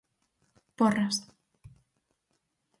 Porras.